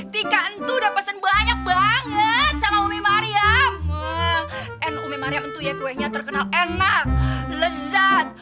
tika itu udah pesen banyak banget sama umi mariam n umi mariam itu ya kuenya terkenal enak lezat